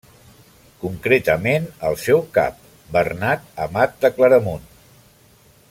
Concretament el seu cap Bernat Amat de Claramunt.